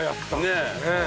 ねえ。